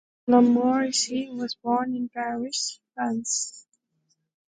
Lamorisse was born in Paris, France.